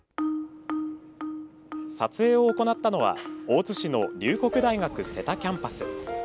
撮影を行ったのは大津市の龍谷大学瀬田キャンパス。